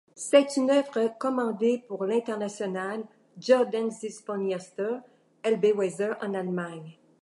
C'est une œuvre commandée pour l'Internationale Jugendsinfonieorchester Elbe-Weser en Allemagne.